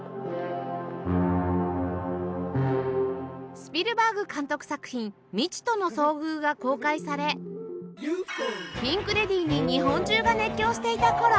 スピルバーグ監督作品『未知との遭遇』が公開されピンク・レディーに日本中が熱狂していた頃